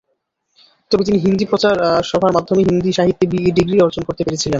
তবে তিনি হিন্দি প্রচার সভার মাধ্যমে হিন্দি সাহিত্যে বিএ ডিগ্রি অর্জন করতে পেরেছিলেন।